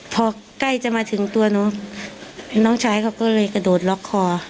พอใกล้จะมาถึงตัวน้องน้องชายเขาก็เลยกระโดดล็อกคอ